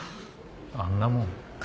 あんなもん？